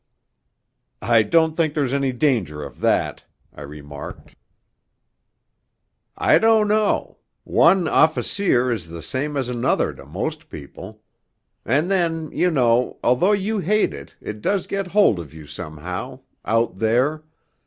'I don't think there's any danger of that,' I remarked. 'I don't know one "officeer" is the same as another to most people.... And then, you know, although you hate it, it does get hold of you somehow out there